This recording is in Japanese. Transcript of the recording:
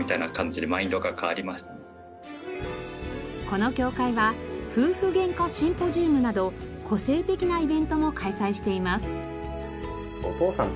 この協会はフウフゲンカシンポジウムなど個性的なイベントも開催しています。